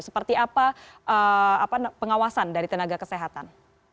seperti apa pengawasan dari tenaga kesehatan